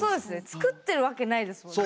作ってるわけないですもんね